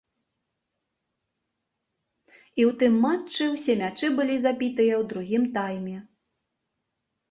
І ў тым матчы ўсе мячы былі забітыя ў другім тайме.